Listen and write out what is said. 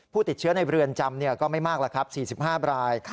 ผู้ติดเชื้อในเรือนจำก็ไม่มาก๔๕ราย